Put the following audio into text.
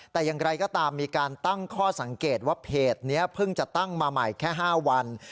แต่อย่างไรก็ตามมีการตั้งข้อสังเกตว่าเพจนี้เพิ่งจะตั้งมาใหม่แค่๕วัน